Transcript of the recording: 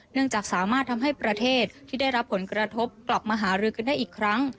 จากสามารถทำให้ประเทศที่ได้รับผลกระทบกลับมาหารือกันได้อีกครั้ง